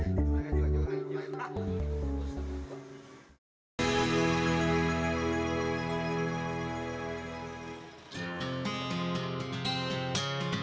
yang vakit tempat ditentukan arch control park